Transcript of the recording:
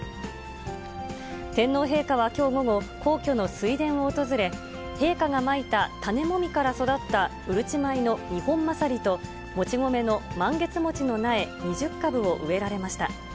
天皇陛下はきょう午後、皇居の水田を訪れ、陛下がまいた種もみから育ったうるち米のニホンマサリと、もち米のマンゲツモチの苗２０株を植えられました。